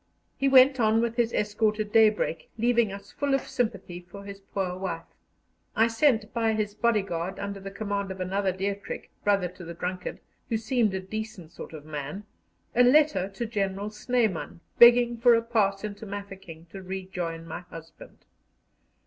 He went on with his escort at daybreak, leaving us full of sympathy for his poor wife. I sent by his bodyguard, under the command of another Dietrich, brother to the drunkard, who seemed a decent sort of man, a letter to General Snyman, begging for a pass into Mafeking to rejoin my husband.